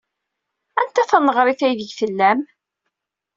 Anta taneɣrit aydeg tellam?